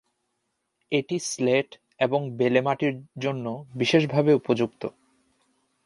এটি স্লেট এবং বেলে মাটির মাটির জন্য বিশেষভাবে উপযুক্ত।